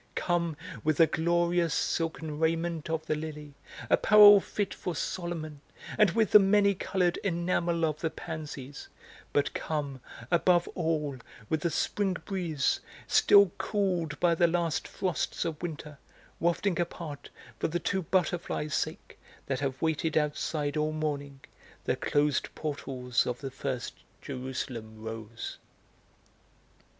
Come with the glorious silken raiment of the lily, apparel fit for Solomon, and with the many coloured enamel of the pansies, but come, above all, with the spring breeze, still cooled by the last frosts of winter, wafting apart, for the two butterflies' sake, that have waited outside all morning, the closed portals of the first Jerusalem rose."